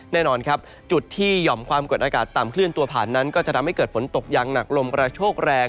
แน่นอนครับจุดที่หย่อมความกดอากาศต่ำเคลื่อนตัวผ่านนั้นก็จะทำให้เกิดฝนตกอย่างหนักลมกระโชกแรง